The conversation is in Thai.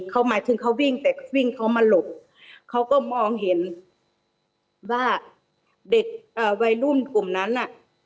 เขาหมายถึงเขาวิ่งแต่วิ่งเขามาหลบเขาก็มองเห็นว่าเด็กวัยรุ่นกลุ่มนั้นน่ะ